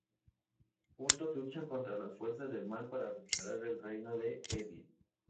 Juntos luchan contra las fuerzas del mal para recuperar el reino de Evie.